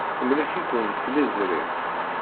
Temlek-iken tliẓri.